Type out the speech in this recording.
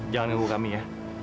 jangan lupa kami ya